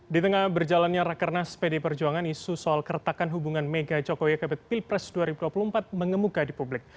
di tengah berjalannya rakernas pd perjuangan isu soal keretakan hubungan mega jokowi ke pilpres dua ribu dua puluh empat mengemuka di publik